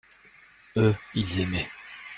Eux, ils aimaient.